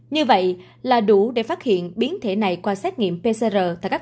như vậy là đủ để phát hiện biến thể này qua xét nghiệm pcr